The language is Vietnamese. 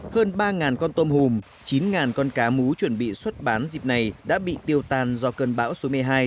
hơn ba con tôm hùm chín con cá mú chuẩn bị xuất bán dịp này đã bị tiêu tan do cơn bão số một mươi hai